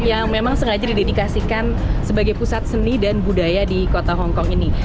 yang memang sengaja didedikasikan sebagai pusat seni dan budaya di kota hongkong ini